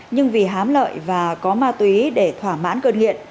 nhưng vì hám lợi và có ma túy để thỏa mãn cơn nghiện